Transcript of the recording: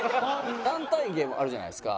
団体芸もあるじゃないですか。